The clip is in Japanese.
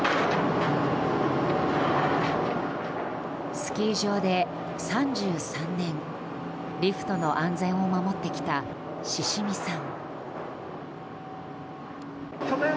スキー場で３３年リフトの安全を守ってきた志々見さん。